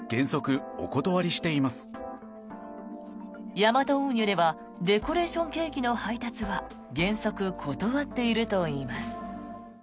ヤマト運輸ではデコレーションケーキの配達は原則断っているといいます。